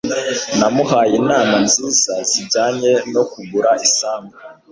Namuhaye inama nziza zijyanye no kugura isambu.